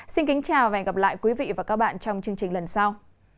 xin kính chào và hẹn gặp lại quý vị và các bạn trong chương trình lần sau